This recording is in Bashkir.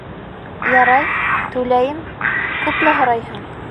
Ярай, түләйем, күпме һорайһың?